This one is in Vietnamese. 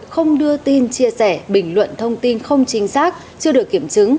không đưa tin chia sẻ bình luận thông tin không chính xác chưa được kiểm chứng